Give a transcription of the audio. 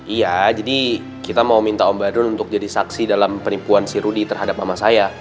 iya jadi kita mau minta om badrun untuk jadi saksi dalam penipuan sirudi terhadap mama saya